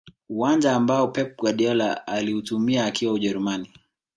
uwanja ambao pep guardiola aliutumia akiwa ujerumani